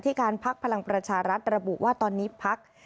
การพักพลังประชารัฐระบุว่าตอนนี้พัก